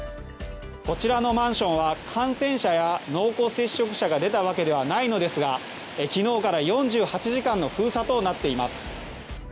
こちらのマンションは感染者や濃厚接触者が出たわけではないのですが昨日から４８時間の封鎖となっています。